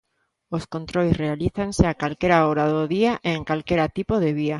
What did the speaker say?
Os controis realízanse a calquera hora do día e en calquera tipo de vía.